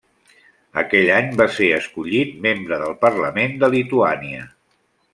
Aquell any va ser escollit membre del Parlament de Lituània.